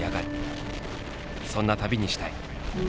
そんな旅にしたい。